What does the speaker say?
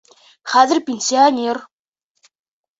Хәҙер пенсионер.